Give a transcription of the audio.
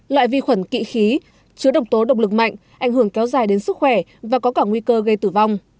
loại vi khuẩn kỵ khí chứa độc tố độc lực mạnh ảnh hưởng kéo dài đến sức khỏe và có cả nguy cơ gây tử vong